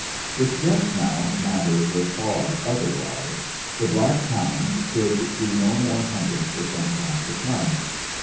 With Jess, now, matters were far otherwise; the black hound could do no more hunting for some time to come.